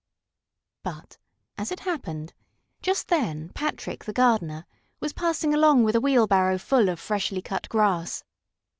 But, as it happened, just then Patrick, the gardener, was passing along with a wheelbarrow full of freshly cut grass.